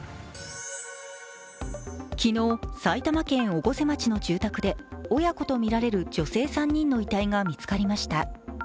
昨日、埼玉県越生町の住宅で親子とみられる女性３人の遺体が見つかりました。